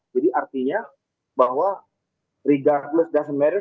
jadi artinya bahwa regardless doesn t matter